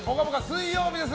水曜日です。